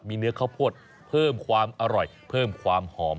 มีเนื้อข้าวโพดเพิ่มความอร่อยเพิ่มความหอม